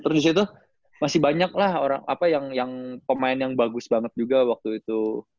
terus disitu masih banyak lah orang apa yang pemain yang bagus banget juga waktu itu